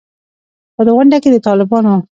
په غونډه کې د طالبانو